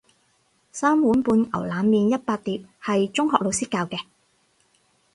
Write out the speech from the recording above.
三碗半牛腩麵一百碟係中學老師教嘅